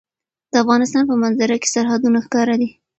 د افغانستان په منظره کې سرحدونه ښکاره ده.